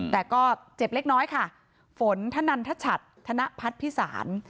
แต่ก็เจ็บเล็กน้อยค่ะฝนธนันทชัดธนพัฒน์พิสาร